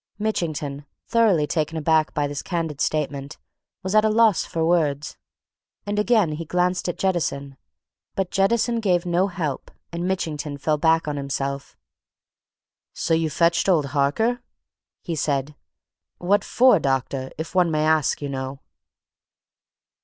Mitchington, thoroughly taken aback by this candid statement, was at a loss for words, and again he glanced at Jettison. But Jettison gave no help, and Mitchington fell back on himself. "So you fetched old Harker?" he said. "What what for, doctor? If one may ask, you know."